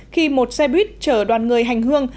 khi một xe buýt chở đoàn người hành hương